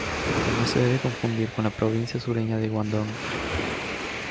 No se debe confundir con la provincia sureña de Guangdong.